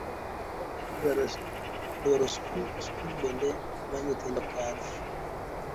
Adwaro sikul bende ma nyithindo kale